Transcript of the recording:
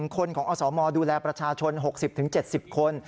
คนของอสมดูแลประชาชน๖๐๗๐คน